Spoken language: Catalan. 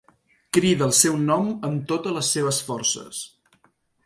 Crida el seu nom amb totes les seves forces.